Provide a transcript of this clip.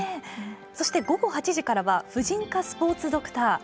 そして午後８時からは婦人科スポーツドクター。